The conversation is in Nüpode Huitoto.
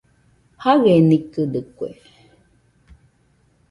Jaienikɨdɨkue